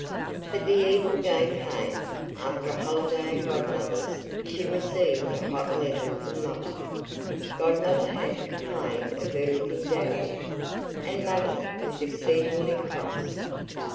But the evil day came. After a holiday at Godmother's, she received a hot letter from Mother. Godmother had complained of her looking "dowdy", and Mother was exceedingly cross.